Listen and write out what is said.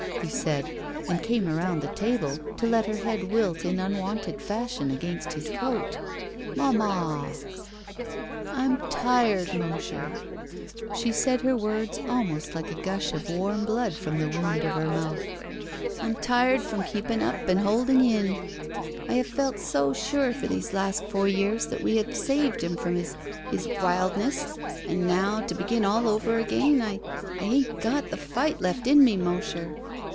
he said, and came around the table to let her head wilt in unwonted fashion against his coat. "Manmia!" 333 ROULETTE ''I'm tired, Mosher/' She said her words almost like a gush of warm blood from the wound of her mouth. "I'm tired from keeping up and heading in. I have felt so sure for these last four years that we have saved him from his — his wildness — and now, to begin all over again, I — ^I 'ain't got the fig^t left in me, Mosher."